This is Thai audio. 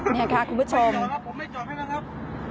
นี่ค่ะคุณผู้ชมผมไม่จอดครับผมไม่จอดให้นะครับ